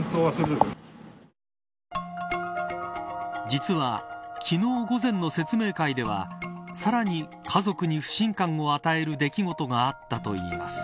実は昨日午前の説明会ではさらに家族に不信感を与える出来事があったといいます。